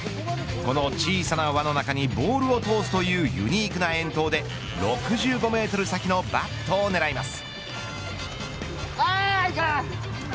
この小さな輪の中にボールを通すというユニークな遠投で６５メートル先のバットを狙います。